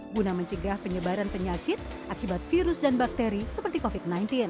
guna mencegah penyebaran penyakit akibat virus dan bakteri seperti covid sembilan belas